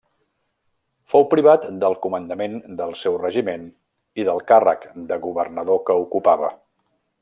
Fou privat del comandament del seu regiment i del càrrec de governador que ocupava.